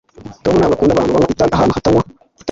tom ntabwo akunda abantu banywa itabi ahantu hatanywa itabi